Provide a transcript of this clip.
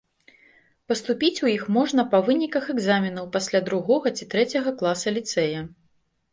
Паступіць у іх можна па выніках экзаменаў пасля другога ці трэцяга класа ліцэя.